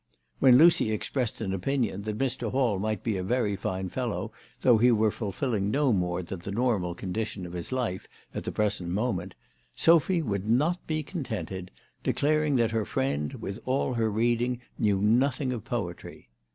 When Lucy expressed an opinion that Mr. Hall might be a very fine fellow though he were fulfilling no more than the normal condition of his life at the present moment, Sophy would not be contented, declaring that her friend, with all her reading, knew nothing of poetry.